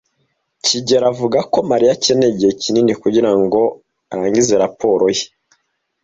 kigeli avuga ko Mariya akeneye igihe kinini kugirango arangize raporo ye.